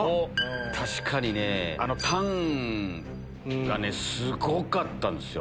確かにねあのタンがすごかったんですよ。